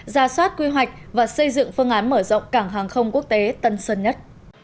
ra soát quy hoạch và xây dựng phương án mở rộng cảng hàng không quốc tế tân sơn nhất